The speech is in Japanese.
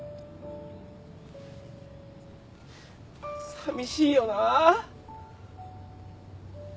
さみしいよな。